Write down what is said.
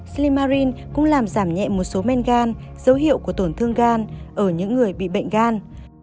silimarin cũng làm giảm nhẹ một số men gan dấu hiệu của tổn thương gan ở những người bị bệnh gan